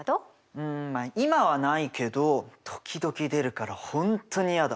うん今はないけど時々出るから本当に嫌だ。